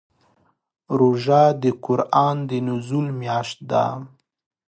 روژه د قران د نزول میاشت ده.